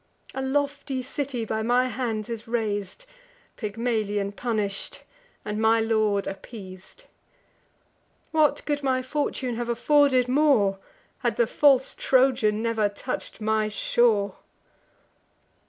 A lofty city by my hands is rais'd, Pygmalion punish'd, and my lord appeas'd. What could my fortune have afforded more, Had the false Trojan never touch'd my shore!"